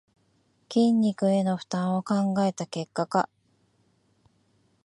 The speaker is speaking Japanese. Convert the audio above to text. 筋肉への負担を考えた結果か